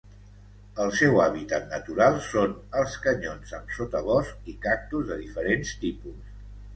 El seu hàbitat natural són els canyons amb sotabosc i cactus de diferents tipus.